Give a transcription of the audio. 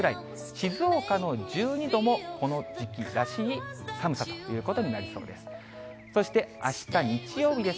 静岡の１２度もこの時期らしい寒さということになりそうです。